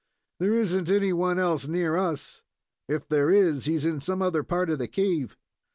"There isn't any one else near us. If there is, he is in some other part of the cave."